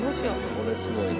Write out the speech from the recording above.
これすごいな。